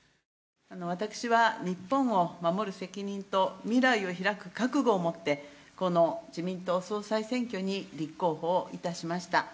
私は、日本を守る責任と、未来を開く覚悟を持って、この自民党総裁選挙に立候補いたしました。